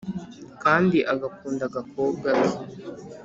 kandi agakunda agakobwa ke.